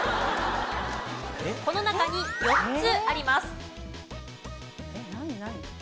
この中に４つあります。